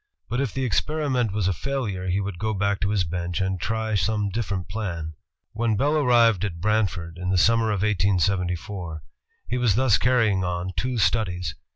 But if the experiment was a failure, he would go back to his bench and try some different plan." When Bell arrived at Brantford, in the summer of 1874, he was thus carrying on two studies.